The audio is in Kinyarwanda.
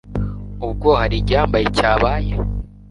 ubwo hari igihambaye cyabaye